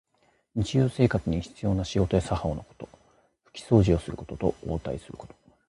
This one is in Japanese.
日常生活に必要な仕事や作法のこと。ふきそうじをすることと、応対すること。